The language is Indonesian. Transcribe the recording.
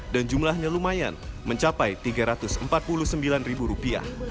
dan jumlahnya lumayan mencapai rp tiga ratus empat puluh sembilan